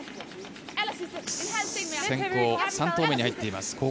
先攻、３投目に入っています。